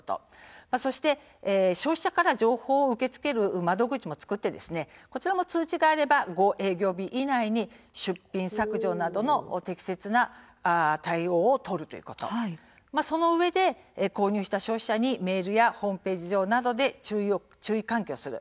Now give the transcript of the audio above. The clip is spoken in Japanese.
そして消費者から情報を受け付ける窓口を作ってこちらの通知があれば５営業日以内に出品削除など適切な対応を取るということそのうえで購入した消費者にメールやホームページ上などで注意喚起をする。